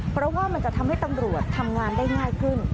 เพราะว่ามันจะทำให้ตำรวจทำงานได้ง่ายขึ้น